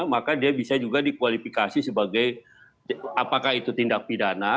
maka dia bisa juga dikualifikasi sebagai apakah itu tindak pidana